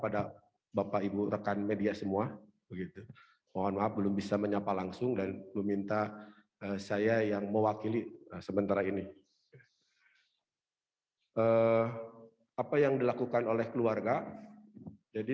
dan kami berkomunikasi dengan keluarga dan kedutaan